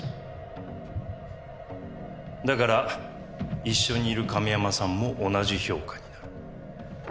だから一緒にいる亀山さんも同じ評価になる。